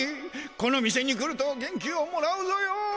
この店に来ると元気をもらうぞよ。